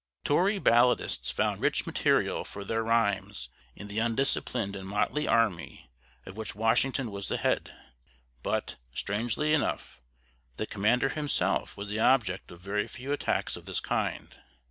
Tory balladists found rich material for their rhymes in the undisciplined and motley army of which Washington was the head, but, strangely enough, the commander himself was the object of very few attacks of this kind.